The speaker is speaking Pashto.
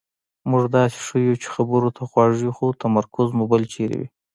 مونږ داسې ښیو چې خبرو ته غوږ یو خو تمرکز مو بل چېرې وي.